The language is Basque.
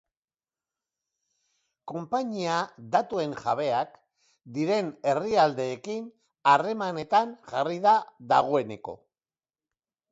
Konpainia datuen jabeak diren herrialdeekin harremanetan jarri da dagoeneko.